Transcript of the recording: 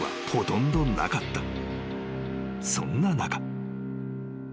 ［そんな中］